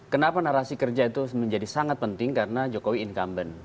kenapa narasi kerja itu menjadi sangat penting karena jokowi incumbent